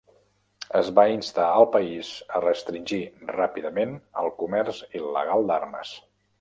Es va instar el país a restringir ràpidament el comerç il·legal d'armes.